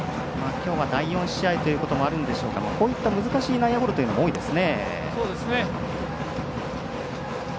きょうは第４試合ということもあるんでしょうかこういった難しい内野ゴロというのも多いですね。